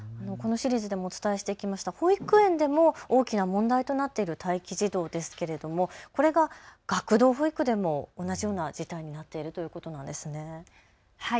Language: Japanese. このシリーズでもお伝えしてきました保育園でも大きな問題となっている待機児童ですけれどもこれが学童保育でも同じような事態になっているということなんですね。